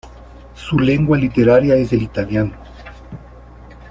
Su lengua literaria es el italiano.